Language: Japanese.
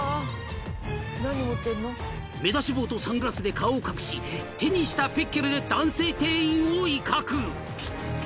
［目出し帽とサングラスで顔を隠し手にしたピッケルで男性店員を威嚇］